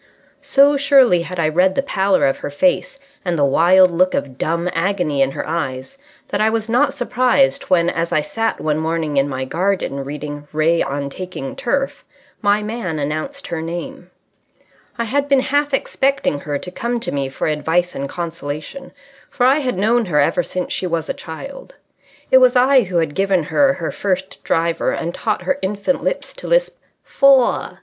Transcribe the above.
So surely had I read the pallor of her face and the wild look of dumb agony in her eyes that I was not surprised when, as I sat one morning in my garden reading Ray on Taking Turf, my man announced her name. I had been half expecting her to come to me for advice and consolation, for I had known her ever since she was a child. It was I who had given her her first driver and taught her infant lips to lisp "Fore!"